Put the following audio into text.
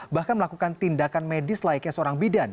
bahkan melakukan tindakan medis layaknya seorang bidan